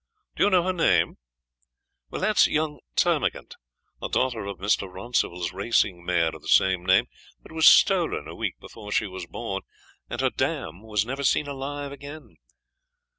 Do you know her name? That's young Termagant, a daughter of Mr. Rouncival's racing mare of the same name that was stolen a week before she was born, and her dam was never seen alive again.